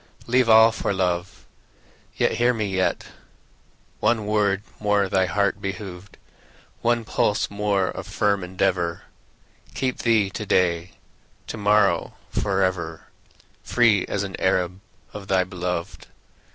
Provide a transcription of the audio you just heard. Leave all for love; Yet, hear me, yet, One word more thy heart behoved, One pulse more of firm endeavor, Keep thee to day, To morrow, forever, Free as an Arab Of thy beloved.